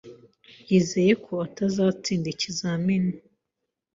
Yizeye ko azatsinda ikizamini